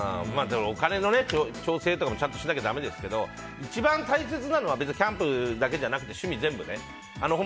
お金の調整とかもちゃんとしなきゃだめですけど一番大切なのはキャンプだけじゃなくて趣味全部ね。